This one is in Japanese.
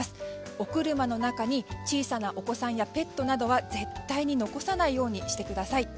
お車の中に小さなお子さんやペットなどは絶対に残さないようにしてください。